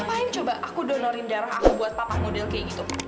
ngapain coba aku donorin darah aku buat papa model kayak gitu